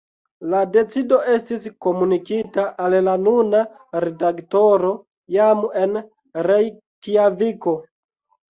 La decido estis komunikita al la nuna redaktoro jam en Rejkjaviko.